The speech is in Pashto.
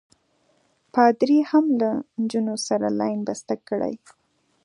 پادري هم له نجونو سره لین بسته کړی.